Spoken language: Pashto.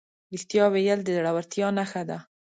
رښتیا ویل د زړهورتیا نښه ده.